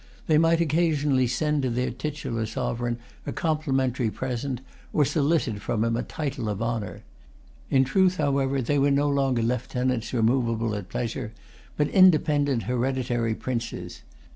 They might occasionally send to their titular sovereign a complimentary present, or solicit from him a title of honour. In truth, however, they were no longer lieutenants removable at pleasure, but independent hereditary princes.